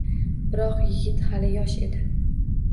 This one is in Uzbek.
Biroq yigit hali yosh edi